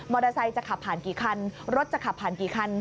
เตอร์ไซค์จะขับผ่านกี่คันรถจะขับผ่านกี่คัน